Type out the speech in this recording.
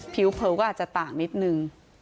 เผลอก็อาจจะต่างนิดนึง